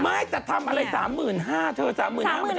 ไม่แต่ทำอะไร๓๕๐๐๐เธอ๓๕๐๐๐มันจะได้อะไร